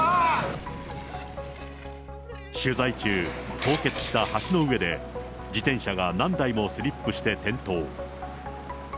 取材中、凍結した橋の上で、自転車が何台もスリップして転倒。